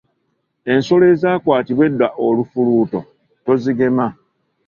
Ensolo ezaakwatibwa edda olufuluuto tozigema.